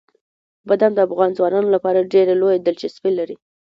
بادام د افغان ځوانانو لپاره ډېره لویه دلچسپي لري.